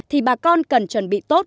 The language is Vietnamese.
thì bà con cần chuẩn bị tốt